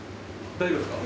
大丈夫ですか？